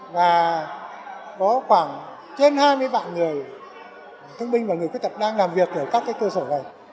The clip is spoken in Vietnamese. và có khoảng trên hai mươi vạn người thương binh và người khuyết tật đang làm việc ở các cơ sở này